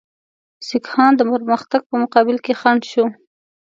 سیکهان د پرمختګ په مقابل کې خنډ شو.